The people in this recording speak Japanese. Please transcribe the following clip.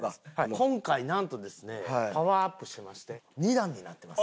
今回なんとですねパワーアップしまして二段になってます。